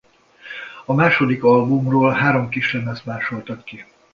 A második albumról három kislemezt másoltak ki.